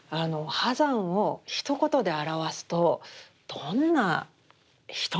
波山をひと言で表すとどんな人なんでしょうか？